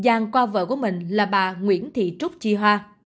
giang qua vợ của mình là bà nguyễn thị trúc chi hoa